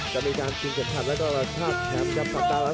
ก็ไม่จังลิ้มนะครับ